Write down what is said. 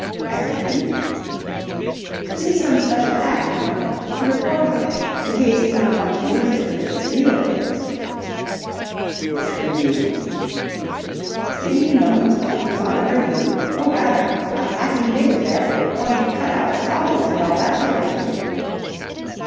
"As a treat?" "To see some special act, you know. To report on it. In case he might want to use it for this revue of his." "Which revue?" "Didn't you know he was going to put on a revue? Oh, rather. A whacking big affair. Going to cut out the Follies and all that sort of thing."